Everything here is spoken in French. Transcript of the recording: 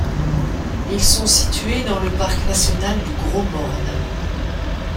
Ils sont situés dans le parc national du Gros-Morne.